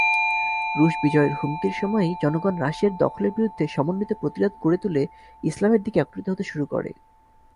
রুশ বিজয়ের হুমকির সময়েই জনগণ রাশিয়ার দখলের বিরুদ্ধে সমন্বিত প্রতিরোধ গড়ে তুলে ইসলামের দিকে একত্রিত হতে শুরু করে।